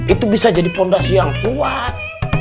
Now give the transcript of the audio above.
itu bisa jadi fondasi yang kuat